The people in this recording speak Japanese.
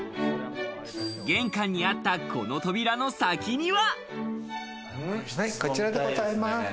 玄関にあったこの扉の先には。